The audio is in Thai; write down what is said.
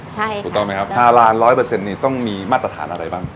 ถูกต้องไหมครับทารานร้อยเปอร์เซ็นนี่ต้องมีมาตรฐานอะไรบ้าง